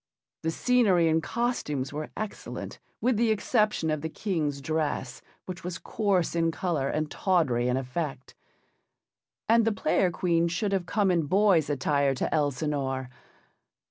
The scenery and costumes were excellent with the exception of the King's dress, which was coarse in colour and tawdry in effect. And the Player Queen should have come in boy's attire to Elsinore.